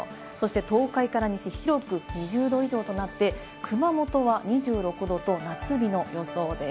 東海から西は広く２０度以上となって、熊本は２６度と夏日の予想です。